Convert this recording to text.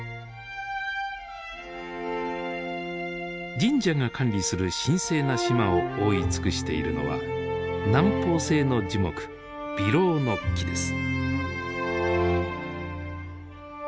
神社が管理する神聖な島を覆い尽くしているのは南方性の樹木ビロウの木です。